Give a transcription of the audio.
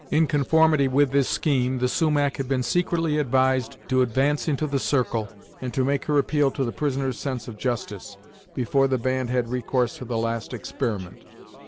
In conformity with this scheme, the Sumach had been secretly advised to advance into the circle, and to make her appeal to the prisoner's sense of justice, before the band had recourse to the last experiment.